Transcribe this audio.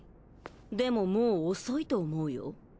でももう遅いと思うよ